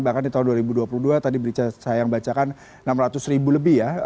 bahkan di tahun dua ribu dua puluh dua tadi berita saya yang bacakan enam ratus ribu lebih ya